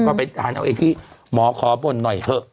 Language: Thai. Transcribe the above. ก็ไปทานเอาเองที่หมอขอบ่นหน่อยเถอะ